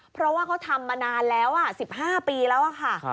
เพราะว่าเขาทำมานานแล้ว๑๕ปีแล้วค่ะ